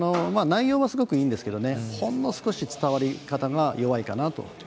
内容はすごいいいんですがほんの少し伝わり方が弱いかなと。